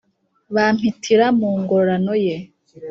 Bampitira mu ngororano ye